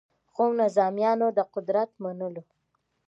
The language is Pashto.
خو نظامیانو د قدرت منلو